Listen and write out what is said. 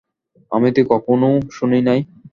আমি তো কখনো শুনি নাই।